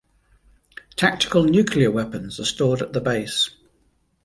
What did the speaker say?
Tactical nuclear weapons are stored at the base.